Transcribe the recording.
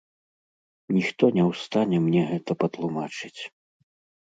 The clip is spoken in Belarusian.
Ніхто не ў стане мне гэта патлумачыць.